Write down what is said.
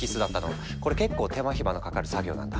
これ結構手間暇のかかる作業なんだ。